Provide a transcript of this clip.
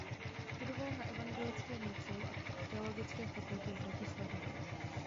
Studoval na evangelickém lyceu a teologické fakultě v Bratislavě.